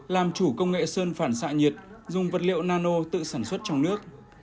làm chủ công nghệ sơn phản xạ nhiệt dùng vật liệu nano tự sản xuất trong nước